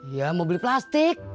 ya mau beli plastik